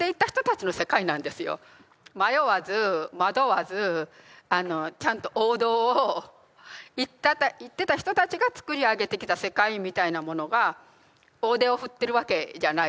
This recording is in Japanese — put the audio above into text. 迷わず惑わずちゃんと王道を行ってた人たちがつくり上げてきた世界みたいなものが大手を振ってるわけじゃないですか。